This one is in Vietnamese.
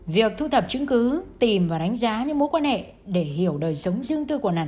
việc thu thập chứng cứ tìm và đánh giá những mối quan hệ để hiểu đời sống riêng tư của nạn nhân